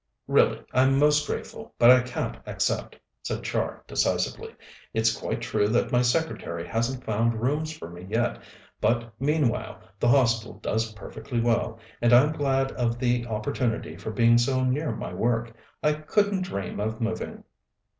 "Really, I'm most grateful, but I can't accept," said Char decisively. "It's quite true that my secretary hasn't found rooms for me yet, but meanwhile the Hostel does perfectly well, and I'm glad of the opportunity for being so near my work. I couldn't dream of moving."